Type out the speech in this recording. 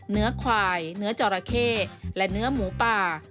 เนื้อควายเนื้อจอราเข้และเนื้อหมูป่า